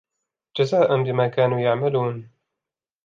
جزاء بما كانوا يعملون